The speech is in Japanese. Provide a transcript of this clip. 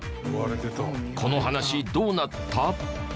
この話どうなった？